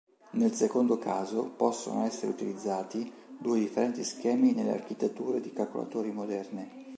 Nel secondo caso, possono essere utilizzati due differenti schemi nelle architetture di calcolatori moderne.